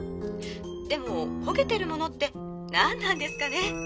でも焦げてるものって何なんですかね？